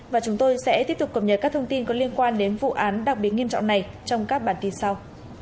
và chúng tôi sẽ tiếp tục cập nhật các thông tin có liên quan đến vụ án đặc biệt nghiêm trọng này trong các bản tin sau